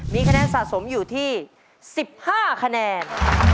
มีคะแนนสะสมอยู่ที่๑๕คะแนน